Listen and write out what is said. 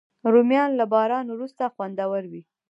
رومیان له باران وروسته خوندور وي